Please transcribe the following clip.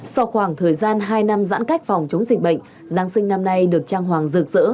sau khoảng thời gian hai năm giãn cách phòng chống dịch bệnh giáng sinh năm nay được trang hoàng rực rỡ